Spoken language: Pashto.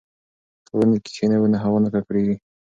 که ونې کښېنوو نو هوا نه ککړیږي.